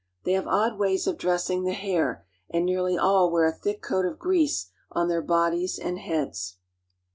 They have odd ways of dressing the hair, and nearly! ^^^kll wear a thick coat of grease on their bodies and heads.